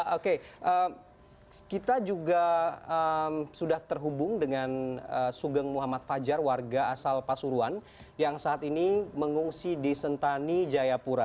oke kita juga sudah terhubung dengan sugeng muhammad fajar warga asal pasuruan yang saat ini mengungsi di sentani jayapura